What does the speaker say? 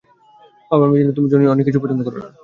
বাবা, আমি জানি, তুমি জনির অনেক কিছু পছন্দ করো না।